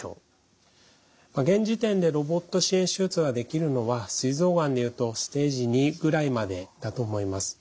現時点でロボット支援手術ができるのはすい臓がんで言うとステージⅡぐらいまでだと思います。